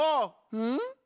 うん？